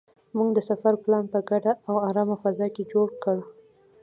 موږ د سفر پلان په ګډه او ارامه فضا کې جوړ کړ.